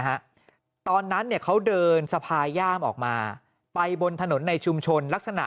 ฮะตอนนั้นเนี่ยเขาเดินสะพายย่ามออกมาไปบนถนนในชุมชนลักษณะ